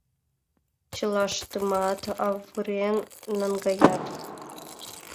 Чылаштымат авырен наҥгаят.